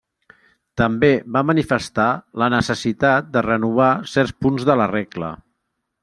També va manifestar la necessitat de renovar certs punts de la regla.